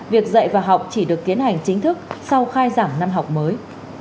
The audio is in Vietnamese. việc dạy và học chỉ được tiến hành chính thức sau khai giảng năm học mới